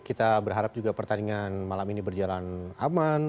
kita berharap juga pertandingan malam ini berjalan aman